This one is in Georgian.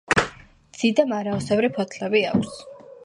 დიდი და მარაოსებრი ფოთლები აქვს.